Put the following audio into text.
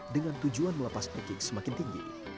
dengan tujuan melepas iking semakin tinggi